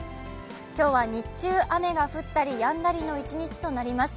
今日は日中、雨が降ったりやんだりの一日となります。